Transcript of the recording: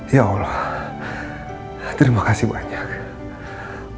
ya allah terima kasih banyak